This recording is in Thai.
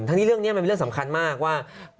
นี้เรื่องนี้มันเป็นเรื่องสำคัญมากว่า